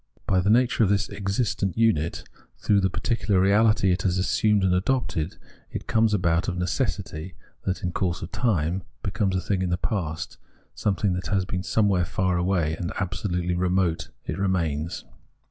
By The Unhappy Consciousness 205 the nature of this existent unit, through, the particular reahty it has assumed and adopted, it comes about of necessity that in course of time it becomes a thing of the past, something that has been somewhere far away, and absolutely remote it remains.